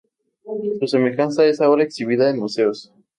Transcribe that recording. Su semejanza es ahora exhibida en museos.